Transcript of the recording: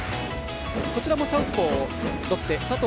こちらもサウスポーロッテ佐藤